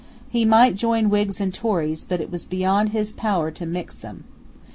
He might join Whigs and Tories; but it was beyond his power to mix them.